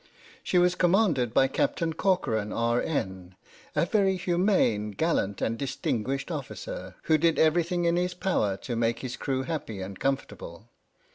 She was commanded by Captain Corcoran, R.N., a very humane, gallant, and dis tinguished officer, who did everything in his power I B H.M.S. "PINAFORE" to make his crew happy and comfortable.